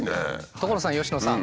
所さん佳乃さん。